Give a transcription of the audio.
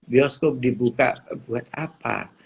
bioskop dibuka buat apa